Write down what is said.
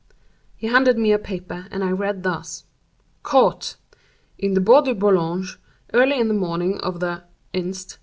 He handed me a paper, and I read thus: CAUGHT—_In the Bois de Boulogne, early in the morning of the ——inst.